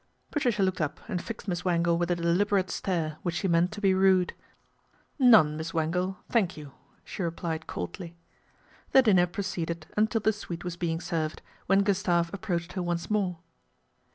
Patricia looked up and fixed Miss Wangle with a deliberate stare, which she meant to be rude. " None, Miss Wangle, thank you/' she replied coldly. The dinner proceeded until the sweet was being served, when Gustave approached her once more.